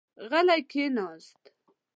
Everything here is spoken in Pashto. غلی کېناست.